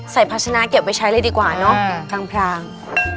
ใส่พัชนะเก็บไปใช้เลยดีกว่าเนอะพรางพราง